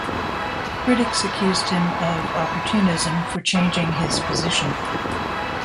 Critics accused him of opportunism for changing his position.